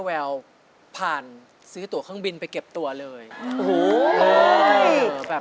ฝึกฝนเรื่อยแล้วก็ดูแล้วก็ฟังเยอะ